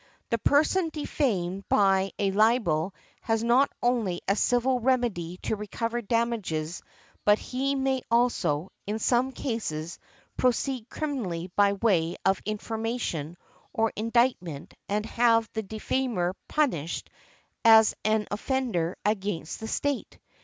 |130| The person defamed by a libel has not only a civil remedy to recover damages but he may also, in some cases, proceed criminally by way of information or indictment and have the defamer punished as an offender against the state.